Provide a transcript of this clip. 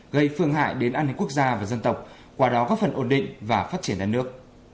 gây phương hại đến an ninh quốc gia và dân tộc quả đó có phần ổn định và phát triển đàn nước